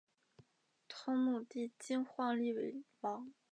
同母弟金晃立为王。